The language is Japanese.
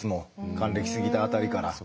還暦過ぎた辺りから。